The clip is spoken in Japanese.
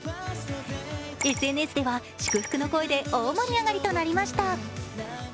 ＳＮＳでは祝福の声で大盛り上がりとなりました。